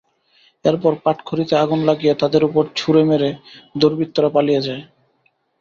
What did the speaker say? এরপর পাটখড়িতে আগুন লাগিয়ে তাঁদের ওপর ছুড়ে মেরে দুর্বৃত্তরা পালিয়ে যায়।